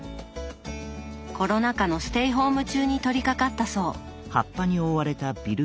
コロナ禍のステイホーム中に取りかかったそう。